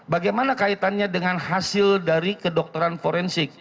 bagaimana kaitannya dengan hasil dari kedokteran forensik